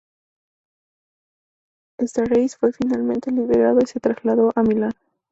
Starace fue finalmente liberado y se trasladó a Milán.